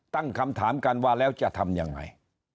ตั้งคำถามกันว่าแล้วจะทำยังไง